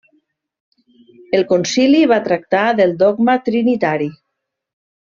El concili va tractar del dogma trinitari.